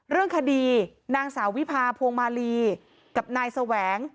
เรื่องคดีนางสาววิพาพวงมาลีกับนายแสวง